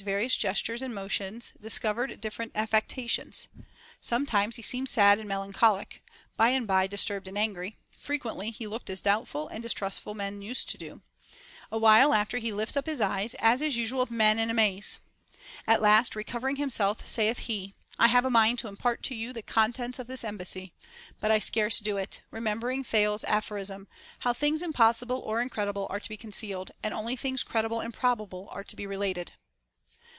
33 various gestures and motions discovered different affections ; sometimes he seemed sad and melancholic, by and by dis turbed and angry ; frequently he looked as doubtful and distrustful men use to do ; awhile after he lifts up his eyes as is usual with men in a maze. At last recovering him self, saith he, I have a mind to impart to you the contents of this embassy ; but I scarce dare do it, remembering Thales's aphorism, how things impossible or incredible are to be concealed and only things credible and probable are to be related.